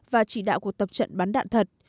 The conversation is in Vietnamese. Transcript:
và chỉ đạo cuộc tập trận bắn đạn thật